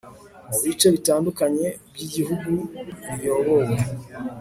mu bice bitandukanye by igihugu riyobowe